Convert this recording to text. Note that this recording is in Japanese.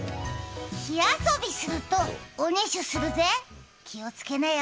火遊びするとおねしょするぜ、気をつけなよ。